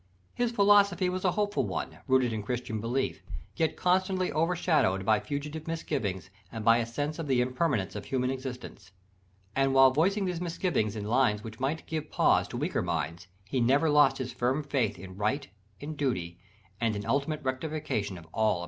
His philosophy was a hopeful one, rooted in Christian belief, yet constantly over shadowed by fugitive misgivings and by a sense of the impermanence of human existence. And while voicing these misgivings in lines which might give pause to weaker minds, he never lost his firm faith in right, in duty, and in ultimate rectification of all apparent wrong.